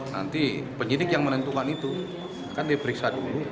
nanti penyidik yang menentukan itu akan diperiksa dulu